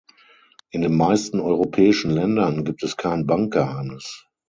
In den meisten europäischen Ländern gibt es kein Bankgeheimnis.